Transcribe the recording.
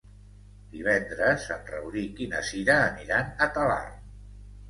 Divendres en Rauric i na Cira aniran a Talarn.